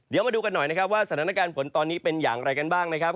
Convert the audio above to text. เดี๋ยวมาดูกันหน่อยนะครับว่าสถานการณ์ฝนตอนนี้เป็นอย่างไรกันบ้างนะครับ